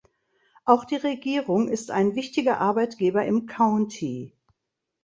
Auch die Regierung ist ein wichtiger Arbeitgeber im County.